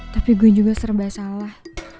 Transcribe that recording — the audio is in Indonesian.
tapi gue juga serba salah